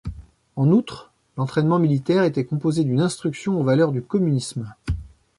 En outre, l'entraînement militaire était composée d'une instruction aux valeurs du communisme.